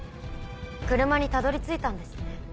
車にたどり着いたんですね。